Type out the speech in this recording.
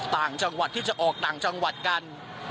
ต่างจังหวัดที่จะออกต่างจังหวัดกัน